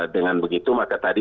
dengan begitu maka tadi